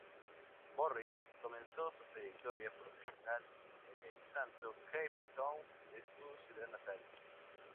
Morris comenzó su trayectoria profesional en el Santos Cape Town de su ciudad natal.